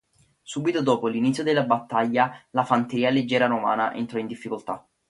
Subito dopo l'inizio della battaglia la fanteria leggera romana entrò in difficoltà.